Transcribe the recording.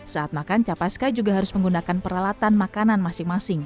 saat makan capaska juga harus menggunakan peralatan makanan masing masing